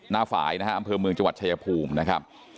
ฝ่ายนะฮะอำเภอเมืองจังหวัดชายภูมินะครับ